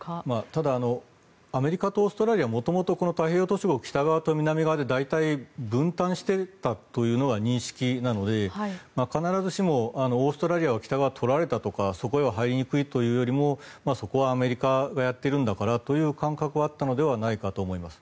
ただアメリカとオーストラリア元々、太平洋島しょ国北側と南側で大体、分担していたというのが認識なので、必ずしもオーストラリアが北側を取られたとかそこへは入りにくいというよりもそこはアメリカがやっているんだからという感覚はあったんじゃないかなと思います。